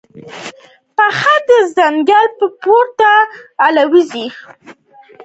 باښه د ځنګل پورته الوزي.